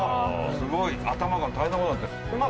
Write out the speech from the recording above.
すごい頭が大変なことになってるまあ